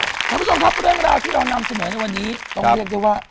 คุณผู้ชมครับเรื่องราวที่เรานำเสนอในวันนี้ต้องเรียกได้ว่า